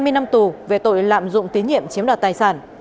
hai mươi năm tù về tội lạm dụng tín nhiệm chiếm đoạt tài sản